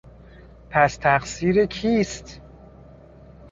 پس تقصیر کیست؟